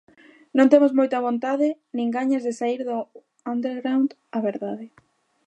Non temos moita vontade nin gañas de saír do 'underground', a verdade.